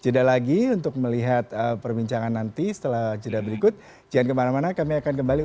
jeda lagi untuk melihat perbincangan nanti setelah jeda berikut jangan kemana mana kami akan kembali